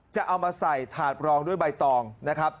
จะเอามาใส่ถาดรองด้วยใบตองนะครับ